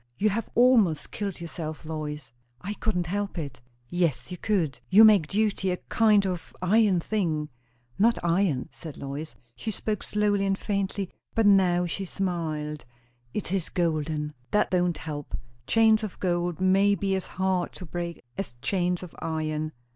You have almost killed yourself, Lois." "I couldn't help it." "Yes, you could. You make duty a kind of iron thing." "Not iron," said Lois; she spoke slowly and faintly, but now she smiled. "It is golden!" "That don't help. Chains of gold may be as hard to break as chains of iron."